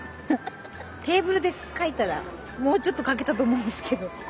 テーブルでかいたらもうちょっとかけたとおもうんですけど。